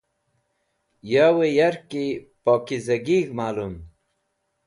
Yawẽ yakri pokizagig̃h malum.